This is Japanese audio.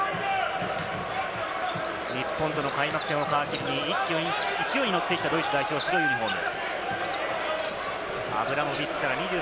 日本との開幕戦を皮切りに一気に勢いに乗っていたドイツ代表、白いユニホーム。